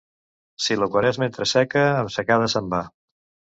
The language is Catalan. Si la Quaresma entra seca, amb secada se'n va.